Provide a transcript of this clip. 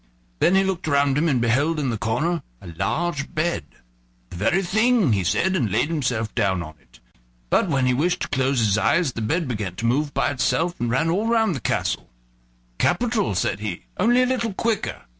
Then he looked around him and beheld in the corner a large bed. "The very thing," he said, and laid himself down in it. But when he wished to close his eyes the bed began to move by itself, and ran all round the castle. "Capital," he said, "only a little quicker."